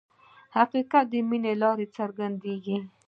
حقیقت د مینې له لارې څرګندېږي.